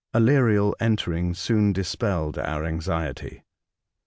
Aleriel entering soon dispelled our anxiety.